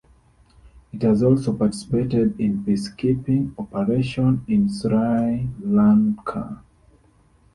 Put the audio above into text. It has also participated in peacekeeping operations in Sri Lanka.